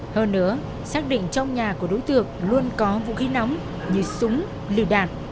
hơn nữa xác định trong nhà của đối tượng luôn có vũ khí nóng như súng lựu đạn